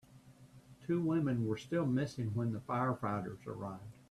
Two women were still missing when the firefighters arrived.